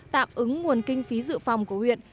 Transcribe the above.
tạm ứng nguồn kinh phí dự phòng của huyện